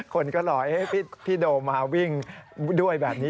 คนก็รอให้พี่โดมมาวิ่งด้วยแบบนี้